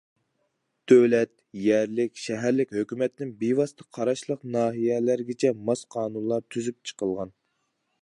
دۆلەت، يەرلىك، شەھەرلىك ھۆكۈمەتتىن بىۋاسىتە قاراشلىق ناھىيەلەرگىچە ماس قانۇنلار تۈزۈپ چىقىلغان.